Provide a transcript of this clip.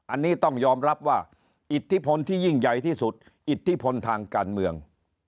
อันนี้ต้องยอมรับว่าอิทธิพลที่ยิ่งใหญ่ที่สุดอิทธิพลทางการเมือง